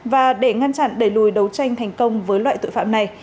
và để ngăn chặn đẩy lùi đấu tranh thành công với loại tội phạm này